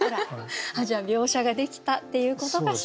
じゃあ描写ができたっていうことかしら。